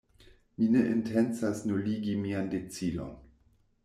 Mi ne intencas nuligi mian decidon.